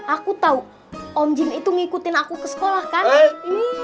aku tahu om jim itu ngikutin aku ke sekolah kan